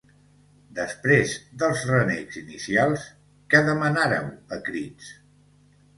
Després dels renecs inicials, què demanareu a crits?